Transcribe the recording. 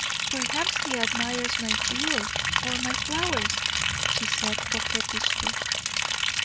"Perhaps he admires my jewels or my flowers," she said, coquettishly.